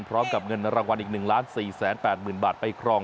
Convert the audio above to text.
พร้อมกับเงินรางวัลอีก๑๔๘๐๐๐บาทไปครอง